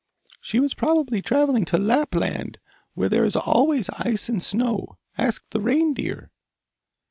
'She was probably travelling to Lapland, where there is always ice and snow. Ask the reindeer.